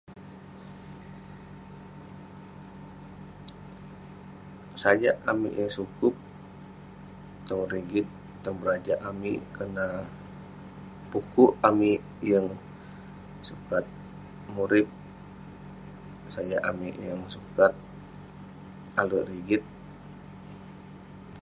sajak amik yeng sukup, tong rigit, tong berajak amik, karna..pukuk amik yeng sukat murip, sajak amik yeng sukat alek rigit